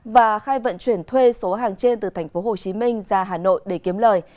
và khai vận chuyển thuê số hàng trên từ tp hcm ra hà nội để kiếm lời